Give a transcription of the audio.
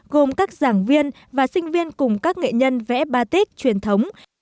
gồm các giảng viên và sinh viên cùng các nghệ nhân vẽ batic truyền thống